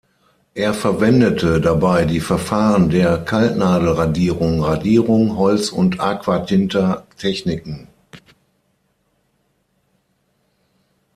Er verwendete dabei die Verfahren der Kaltnadelradierung, Radierung, Holz- und Aquatinta-techniken.